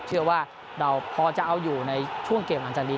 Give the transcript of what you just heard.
เชื่อว่าเราพอจะเอาอยู่ในช่วงเกมหลังจากนี้